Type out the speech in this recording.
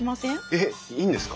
えっいいんですか？